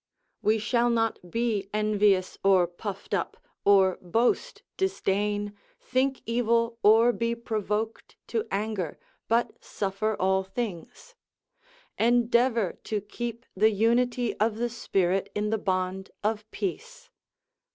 We shall not be envious or puffed up, or boast, disdain, think evil, or be provoked to anger, but suffer all things; endeavour to keep the unity of the spirit in the bond of peace.